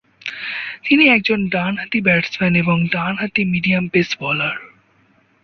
তিনি একজন ডানহাতি ব্যাটসম্যান এবং ডানহাতি মিডিয়াম পেস বোলার।